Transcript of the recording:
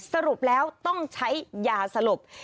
สรุปแล้วต้องใช้ยาสลบ